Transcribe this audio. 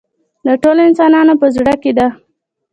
د ټولو انسانانو په زړه کې ده.